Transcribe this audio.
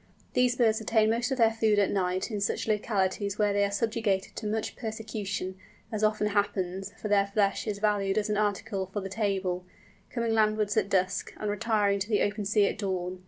These birds obtain most of their food at night in such localities where they are subjected to much persecution, as often happens, for their flesh is valued as an article for the table, coming landwards at dusk, and retiring to the open sea at dawn.